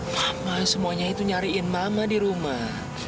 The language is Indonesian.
mama semuanya itu nyariin mama di rumah